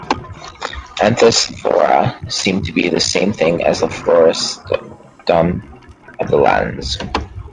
Anthesphoria seems to be the same thing as the Florisertum of the Latins.